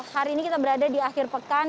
hari ini kita berada di akhir pekan